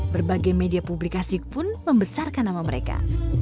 berbagai media publikasi pun membesarkan nama mereka